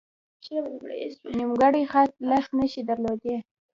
نیمګړی خط لس نښې درلودې.